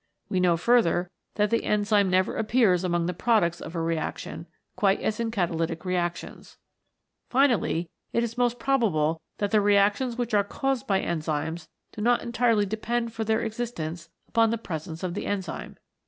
We know further that the enzyme never appears among the products of a reaction, quite as in catalytic reactions. Finally, it is most probable that the reactions which are caused by enzymes do not entirely depend for their existence upon the presence of the enzyme.